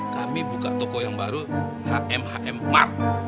kami buka toko yang baru hm hm mart